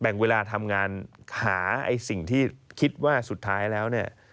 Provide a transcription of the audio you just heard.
แบ่งเวลาทำงานหาสิ่งที่คิดว่าสุดท้ายแล้ว